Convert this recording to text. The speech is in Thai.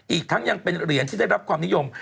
อีกทั้งยังเป็นเหรียญที่ได้รับความนิยม